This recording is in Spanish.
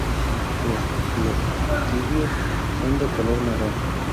Los gloquidios son de color marrón.